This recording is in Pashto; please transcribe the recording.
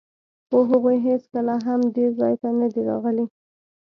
خو هغوی هېڅکله هم دې ځای ته نه دي راغلي.